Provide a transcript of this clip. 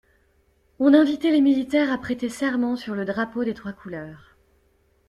On invitait les militaires à prêter serment sur le drapeau des trois couleurs.